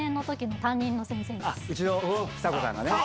うちの房子さんがね。